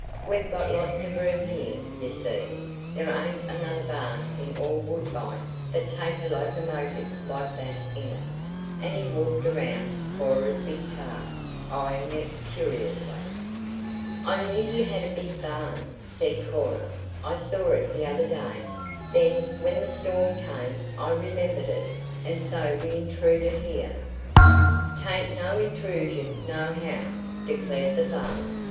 We've got lots of room here, you see. There ain't another barn in all Woodbine that'd take a locomotive like that in it," and he walked around Cora's big car, eying it curiously. "I knew you had a big barn," said Cora. "I saw it the other day; then, when the storm came, I remembered it, and so we intruded here." "'Tain't no intrusion, nohow," declared the farmer.